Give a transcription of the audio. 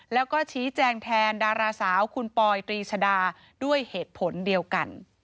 แล้วก็ชี้แจงแทนดาราสาวคุณปอยตรีชดาด้วยเหตุผลเดียวกัน